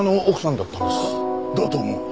だと思う。